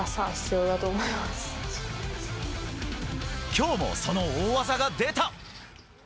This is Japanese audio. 今日もその大技が出た。